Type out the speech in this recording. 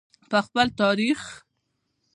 په خپل تاریخ.